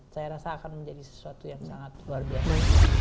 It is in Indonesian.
saya rasa akan menjadi sesuatu yang sangat luar biasa